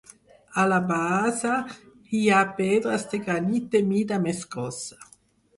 A la base hi ha pedres de granit de mida més grossa.